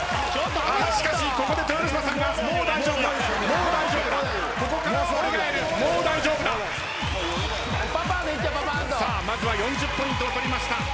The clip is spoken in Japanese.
しかしここで豊ノ島さんが「もう大丈夫だ」「もう大丈夫ここからは俺がやるもう大丈夫だ」さあまずは４０ポイントを取りました。